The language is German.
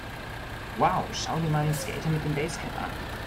Wow, schau dir mal den Skater mit dem Basecap an!